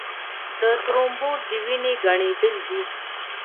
د ترومبوس د وینې ګڼېدل دي.